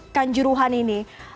ikan juruhan ini